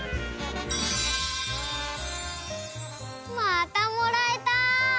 またもらえた！